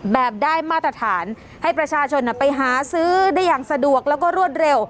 แบบได้มาตรฐานให้ประชาชนไปหาซื้อได้อย่างสะดวกแล้วก็รวดเร็ว